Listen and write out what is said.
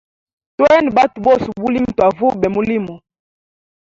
Twene batwe bose ubulimi twavube mulimo.